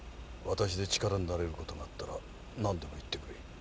わたしで力になれることがあったら何でも言ってくれ。